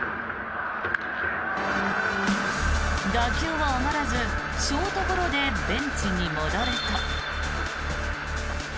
打球は上がらず、ショートゴロでベンチに戻ると。